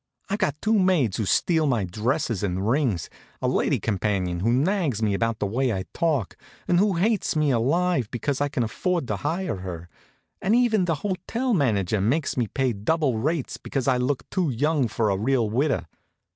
I've got two maids who steal my dresses and rings; a lady companion who nags me about the way I talk, and who hates me alive because I can afford to hire her; and even the hotel manager makes me pay double rates because I look too young for a real widow.